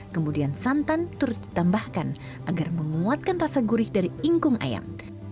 kemudian santan turut ditambahkan agar menguatkan rasa gurih dari ingkung ayam